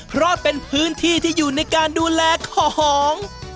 เพราะเป็นพื้นที่ที่อยู่ในการดูแลของ